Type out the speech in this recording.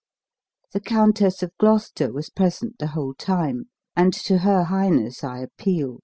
The Countess of Gloucester was present the whole time, and to her highness I appeal.